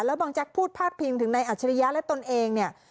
แล้วบางแจ๊กพูดพาดพิงถึงในอัจฉริยะและตนเองเนี่ย